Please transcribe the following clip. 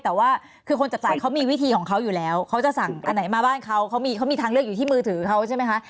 แต่ว่าคือคนจับจ่ายเขามีวิธีของเขาอยู่แล้วเขาจะสั่งอันไหนมาบ้านเขาเขามีทางเลือกอยู่ที่มือถือเขาใช่ไหมคะ